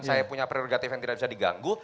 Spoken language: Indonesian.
saya punya prerogatif yang tidak bisa diganggu